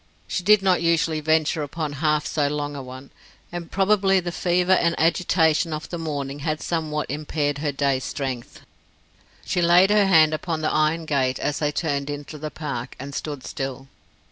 She did not usually venture upon half so long a one, and probably the fever and agitation of the morning had somewhat impaired her day's strength. She laid her hand upon the iron gate as they turned into the park, and stood still.